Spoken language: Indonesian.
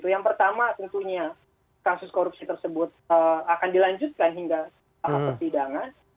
yang pertama tentunya kasus korupsi tersebut akan dilanjutkan hingga tahap persidangan